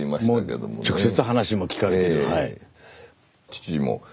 もう直接話も聞かれてる。